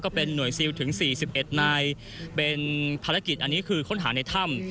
เป็นหน่วยซิลถึง๔๑นายเป็นภารกิจอันนี้คือค้นหาในถ้ำ